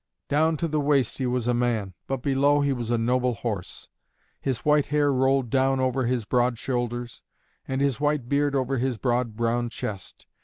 Down to the waist he was a man, but below he was a noble horse. His white hair rolled down over his broad shoulders, and his white beard over his broad brown chest.